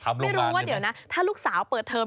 ไม่รู้ว่าเดี๋ยวนะถ้าลูกสาวเปิดเทอม